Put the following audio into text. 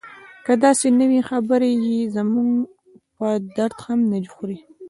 که داسې نه وي خبرې یې زموږ په درد هم نه خوري.